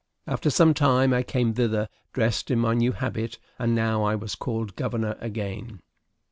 After some time, I came thither dressed in my new habit; and now I was called governor again.